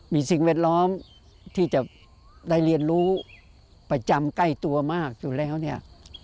มีสิ่งแวดล้อมที่จะได้เรียนรู้ประจำใกล้ตัวมากอยู่แล้วเนี่ย